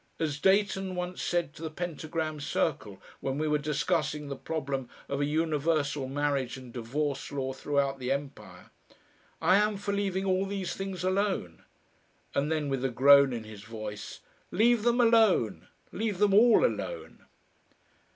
As Dayton once said to the Pentagram Circle, when we were discussing the problem of a universal marriage and divorce law throughout the Empire, "I am for leaving all these things alone." And then, with a groan in his voice, "Leave them alone! Leave them all alone!"